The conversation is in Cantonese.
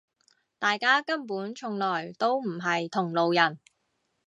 大家根本從來都唔係同路人